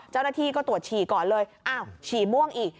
เจ้าหน้าที่ก็ตรวจฉี่ก่อนเลยอ้าวฉี่ม่วงอีก